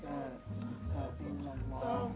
terima kasih bang akang